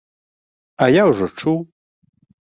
А я ўжо чуў.